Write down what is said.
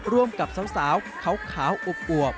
ร่วมกับสาวขาวอวบ